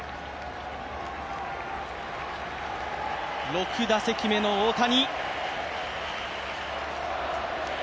６打席目の大谷。